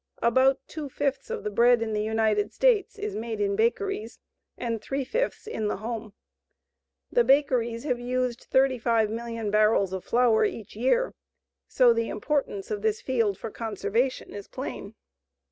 About two fifths of the bread in the United States is made in bakeries and three fifths in the home. The bakeries have used 35,000,000 barrels of flour each year, so the importance of this field for conservation is plain.